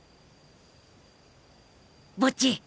ボッジ！